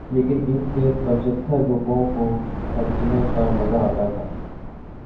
لیکن ان پچھتر روپوں کو خرچنے کا مزہ آتا تھا۔